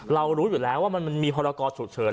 เรารู้อยู่แล้วว่ามันมีภารกรสุดเฉิน